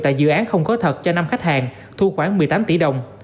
tại dự án không có thật cho năm khách hàng thu khoảng một mươi tám tỷ đồng